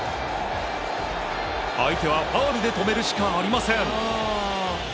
相手は、ファウルで止めるしかありません。